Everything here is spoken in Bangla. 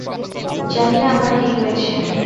জানি না আমার কী হয়েছে!